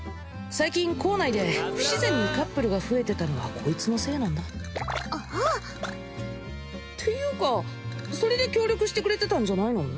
最近校内で不自然にカップルが増えてたのはこいつのせいなんだああっていうかそれで協力してくれてたんじゃないの？